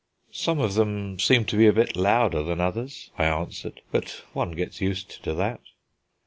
"Some of them seem to be a bit louder than others," I answered; "but one gets used to that."